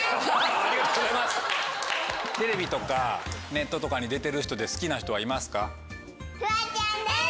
テレビとかネットとかに出てる人で好きな人はいますか？